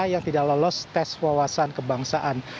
yang tidak lolos tes wawasan kebangsaan